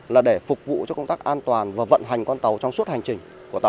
là để phục vụ cho công tác an toàn và vận hành con tàu trong suốt hành trình